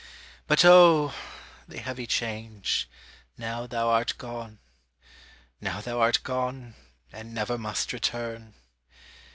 But, oh, the heavy change, now thou art gone Now thou art gone, and never must return!